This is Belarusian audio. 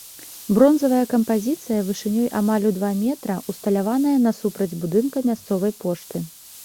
Бронзавая кампазіцыя вышынёй амаль у два метра ўсталяваная насупраць будынка мясцовай пошты.